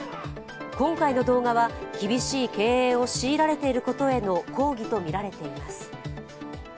今回の動画は厳しい経営を強いられていることへの抗議とみられています。